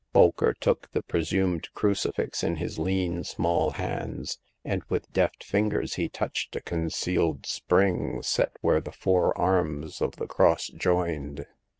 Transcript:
Bolker took the presumed crucifix in his lean, small hands, and with deft fingers he touched a concealed spring set where the four arms of the cross joined.